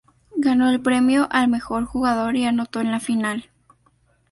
Ganó el premio a mejor jugador y anotó en la final.